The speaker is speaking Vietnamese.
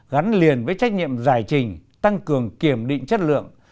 gắn liền với trách nhiệm giải trình tăng cường kiểm định chất lượng